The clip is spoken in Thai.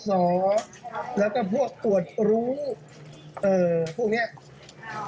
สออีและก็พวกปนรุ้งพวกนี้